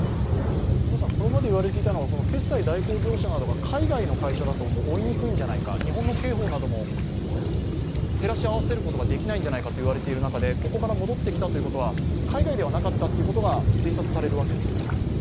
これまで言われていたのは決済代行業者が海外の会社だと追いにくいのではないか、日本の刑法なども照らし合わせることができないんじゃないかといわれている中でここから戻ってきたということは、海外ではなかったということが推察されるわけですか？